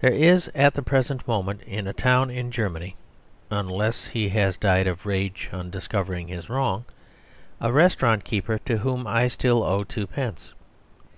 There is at the present moment in a town in Germany (unless he has died of rage on discovering his wrong), a restaurant keeper to whom I still owe twopence.